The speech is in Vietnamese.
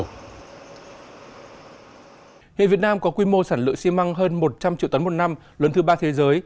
nghệ việt nam có quy mô sản lượng xi măng hơn một trăm linh triệu tấn một năm lớn thứ ba thế giới